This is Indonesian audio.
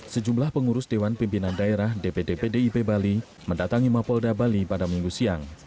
sejumlah pengurus dewan pimpinan daerah dpd pdip bali mendatangi mapolda bali pada minggu siang